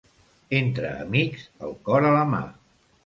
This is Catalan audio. Entre amics, el cor a la mà.